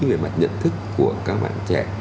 về mặt nhận thức của các bạn trẻ